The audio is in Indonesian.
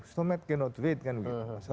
stomach cannot wait kan masalah